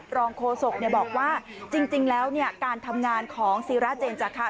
โคศกบอกว่าจริงแล้วการทำงานของศิราเจนจาคะ